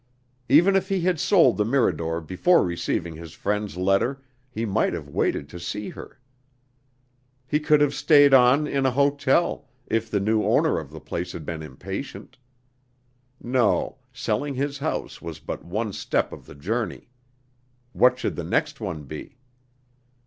Even if he had sold the Mirador before receiving his friend's letter, he might have waited to see her. He could have stayed on in a hotel, if the new owner of the place had been impatient. No, selling his house was but one step of the journey. What should the next one be?